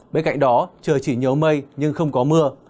bên cạnh đó trời chỉ nhiều mây nhưng không có mưa